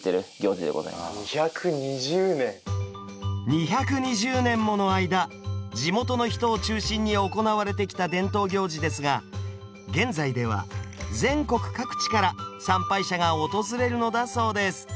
２２０年もの間地元の人を中心に行われてきた伝統行事ですが現在では全国各地から参拝者が訪れるのだそうです。